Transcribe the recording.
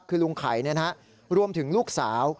คือลุงไข่นะครับรวมถึงลูกสาว